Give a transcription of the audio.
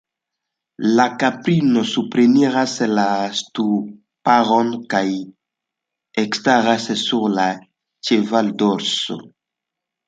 La kaprino supreniras la ŝtuparon kaj ekstaras sur la ĉevaldorso.